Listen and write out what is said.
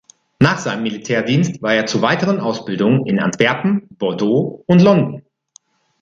Nach seinem Militärdienst war er zur weiteren Ausbildung in Antwerpen, Bordeaux und London.